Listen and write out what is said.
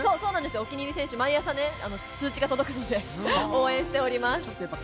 お気に入り選手、毎朝、通知が届くので、応援しています。